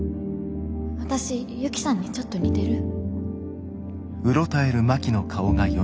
私ユキさんにちょっと似てる？